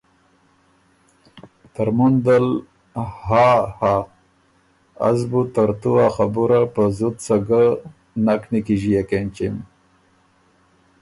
ترمُن دل ”ها“ هۀ،”از بُو ترتُو ا خبُره په زُت څۀ ګه نک نیکیݫيېک اېنچِم۔